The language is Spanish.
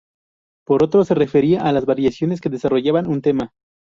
Por otro, se refería a las variaciones que desarrollaban un tema.